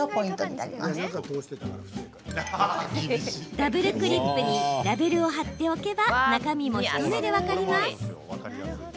ダブルクリップにラベルを貼っておけば、中身も一目で分かります。